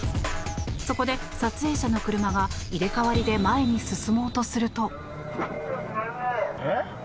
そこで撮影者の車は入れ替わりで前に進もうとすると。